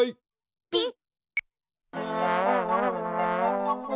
ピッ。